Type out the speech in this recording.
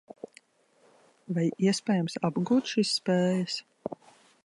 Vai iespējams apgūt šīs spējas?